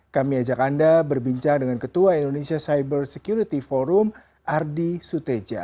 kami ajak anda berbincang dengan ketua indonesia cyber security forum ardi suteja